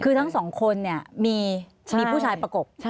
คือทั้งสองคนเนี่ยมีผู้ชายประกบ